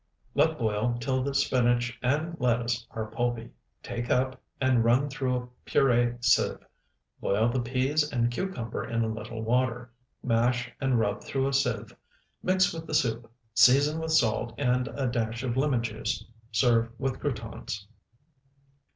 Let boil till the spinach and lettuce are pulpy, take up, and run through a puree sieve; boil the peas and cucumber in a little water, mash and rub through a sieve; mix with the soup, season with salt and a dash of lemon juice. Serve with croutons.